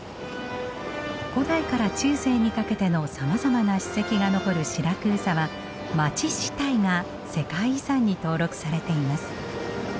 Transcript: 古代から中世にかけてのさまざまな史跡が残るシラクーサは街自体が世界遺産に登録されています。